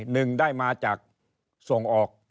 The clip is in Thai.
หนึ่งได้มาจากส่งออก